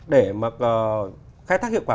để mà khai thác hiệu quả